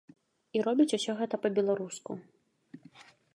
І робіць усё гэта па-беларуску!